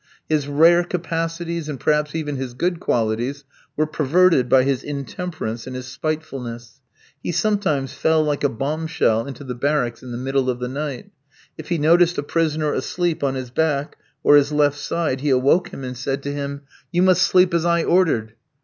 His rare capacities, and, perhaps, even his good qualities, were perverted by his intemperance and his spitefulness. He sometimes fell like a bombshell into the barracks in the middle of the night. If he noticed a prisoner asleep on his back or his left side, he awoke him and said to him: "You must sleep as I ordered!"